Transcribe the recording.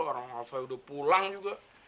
orang alva udah pulang juga